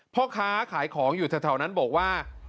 พ่อค้าขายของอยู่แถวนั้นบอกว่า